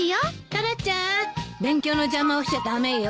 タラちゃん勉強の邪魔をしちゃ駄目よ。